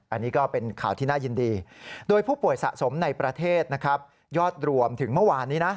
อันนี้ก็เป็นข่าวที่น่ายินดีโดยผู้ป่วยสะสมในประเทศนะครับยอดรวมถึงเมื่อวานนี้นะ